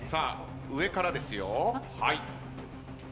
上からですよ。